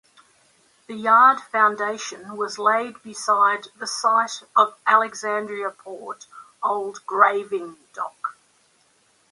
The yard foundation was laid beside the site of Alexandria Port old graving dock.